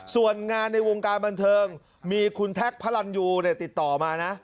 ส่วนงานในวงการบันเทิงมีคุณแท็กพระรันยูติดต่อมานะ